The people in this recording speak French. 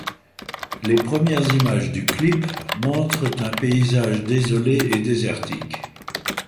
Les premières images du clip montrent un paysage désolé et désertique.